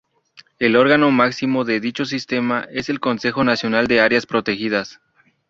El órgano máximo de dicho Sistema es el Consejo Nacional de Áreas Protegidas.